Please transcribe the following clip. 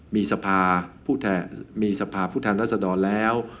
มีสภาผู้แทนรัศดรแล้ว